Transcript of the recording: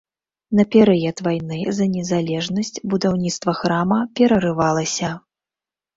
На перыяд вайны за незалежнасць будаўніцтва храма перарывалася.